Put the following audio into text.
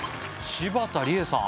柴田理恵さん